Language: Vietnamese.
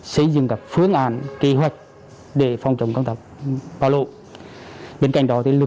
xây dựng các phương án kế hoạch để phòng chống bão lũ